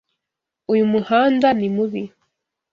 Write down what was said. Uyu muhanda ni mubi.